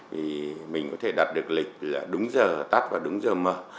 vì mình có thể đặt được lịch là đúng giờ tắt vào đúng giờ mở